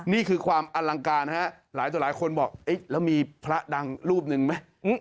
นี่คือความอลังการฮะหลายต่อหลายคนบอกแล้วมีพระดังรูปหนึ่งไหม